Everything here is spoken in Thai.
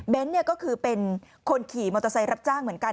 เบ้นซควรเป็นคนขี่มอเตอร์ไซส์รับจ้าง